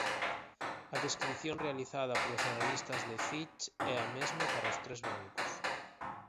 A descrición realizada polos analistas de Fitch é a mesma para os tres bancos.